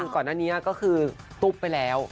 ก่อนหน้านี้ก็คือตุ๊บไปแล้ว